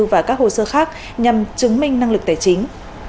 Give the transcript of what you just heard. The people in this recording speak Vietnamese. và các hồ sơ khác nhằm chứng minh năng lực tài chính